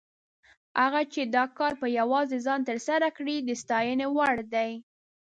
هغه چې دا کار په یوازې ځان تر سره کړی، د ستاینې وړ دی.